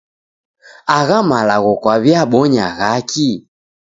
Agha malagho kwaw'iabonya ghaki?